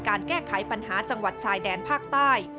แก้ไขปัญหาจังหวัดชายแดนภาคใต้